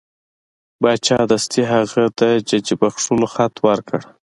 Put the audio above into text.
باچا دستي هغه د ججې بخښلو خط ورکړ.